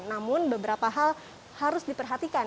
namun beberapa hal harus diperhatikan